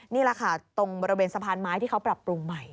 นี่แหละค่ะตรงบริเวณสะพานไม้ที่เขาปรับปรุงใหม่